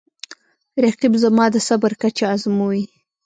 رقیب زما د صبر کچه ازموي